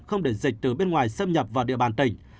không để dịch từ bên ngoài xâm nhập vào địa bàn tỉnh